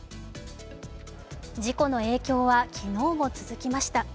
事故の影響は昨日も続きました。